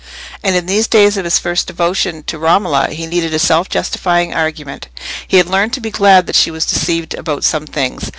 And in these days of his first devotion to Romola he needed a self justifying argument. He had learned to be glad that she was deceived about some things.